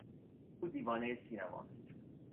او دیوانهی سینما است.